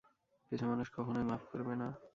কিছু মানুষ কখনোই মাফ করবে না।